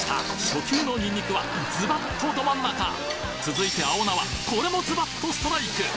初球のニンニクはズバッとど真ん中続いて青菜はこれもズバッとストライク！